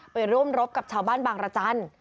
ไปร่วมรบกับชาวบ้านบางรจันทร์